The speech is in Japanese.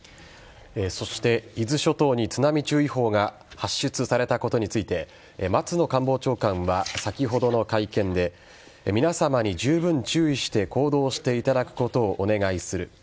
そして、伊豆諸島に津波注意報が発出されたことについて松野官房長官は先ほどの会見で皆さまにじゅうぶん注意して行動していただくことをお願いする。